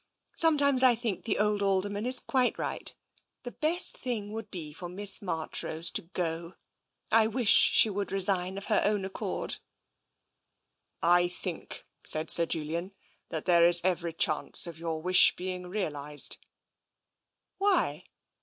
Some times I think the old Alderman is quite right. The best thing would be for Miss Marchrose to go. I wish she would resign of her own accord." " I think," said Sir Julian, " that there is every chance of your wish being realised." "Why?"